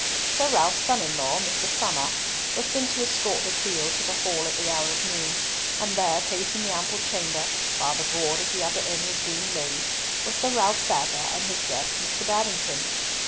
Sir Ralf's son in law, Mr. Somer, was sent to escort the trio to the hall at the hour of noon; and there, pacing the ample chamber, while the board at the upper end was being laid, were Sir Ralf Sadler and his guest Mr. Babington.